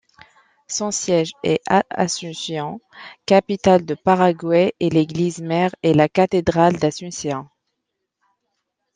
Son siège est à Asunción, capitale du Paraguay et l'église-mère est la cathédrale d'Asunción.